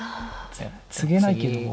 ツゲないけども。